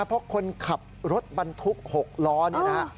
เพราะคนขับรถบรรทุก๖ล้อนี่นะ